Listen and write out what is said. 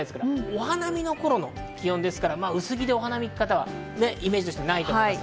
お花見の頃の気温ですから薄着でお花見に行く方はイメージないと思います。